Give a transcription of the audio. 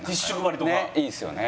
ねっいいですよね。